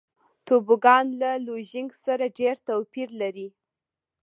توبوګان له لوژینګ سره ډېر توپیر لري.